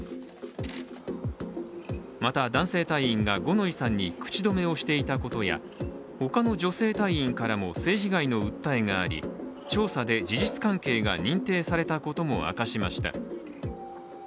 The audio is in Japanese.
また男性隊員が五ノ井さんに口止めをしていたことや他の女性隊員からも性被害の訴えがあり、調査で事実関係が認定されたことも明かしました。